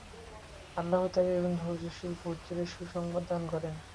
আল্লাহ তাকে একজন ধৈর্যশীল পুত্রের সুসংবাদ দান করেন।